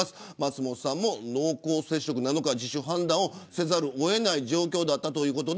松本さんも濃厚接触なのか自主判断せざるを得ない状況です。